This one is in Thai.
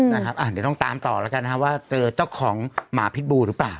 เดี๋ยวต้องตามต่อแล้วกันนะครับว่าเจอเจ้าของหมาพิษบูหรือเปล่า